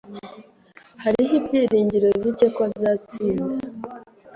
Hariho ibyiringiro bike ko azatsinda